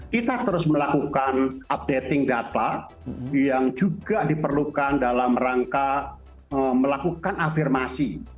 kita terus melakukan updating data yang juga diperlukan dalam rangka melakukan afirmasi